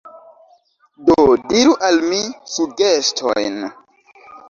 Do diru al mi sugestojn.